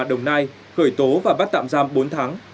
đồng nai khởi tố và bắt tạm giam bốn tháng